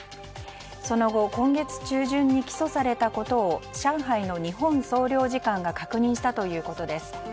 その後今月中旬に起訴されたことを上海の日本総領事館が確認したということです。